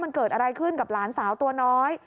มันเกิดอะไรขึ้นกับหลานสาวตัวน้อย